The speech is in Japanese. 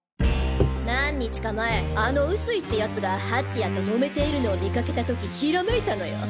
何日か前あの臼井って奴が蜂谷と揉めているのを見かけた時ひらめいたのよ。